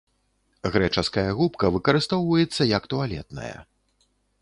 Грэчаская губка выкарыстоўваецца як туалетная.